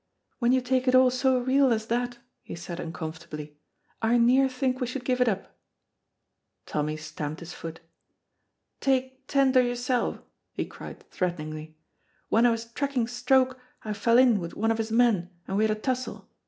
"When you take it a' so real as that," he said, uncomfortably "I near think we should give it up." Tommy stamped his foot. "Take tent o' yoursel'!" he cried threateningly. "When I was tracking Stroke I fell in with one of his men, and we had a tussle.